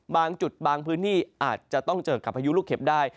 บางจุดบางพื้นที่อาจจะต้องเจอกับพายุลูกเข็บได้